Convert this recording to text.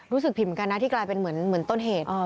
รู้สึกผิดเหมือนกันนะที่กลายเป็นเหมือนต้นเหตุ